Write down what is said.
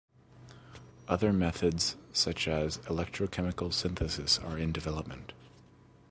Other methods such as electrochemical synthesis are in development.